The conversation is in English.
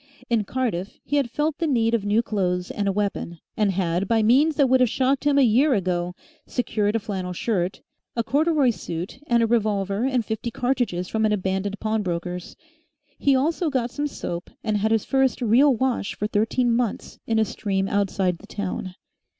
In Cardiff he had felt the need of new clothes and a weapon, and had, by means that would have shocked him a year ago, secured a flannel shirt, a corduroy suit, and a revolver and fifty cartridges from an abandoned pawnbroker's. He also got some soap and had his first real wash for thirteen months in a stream outside the town.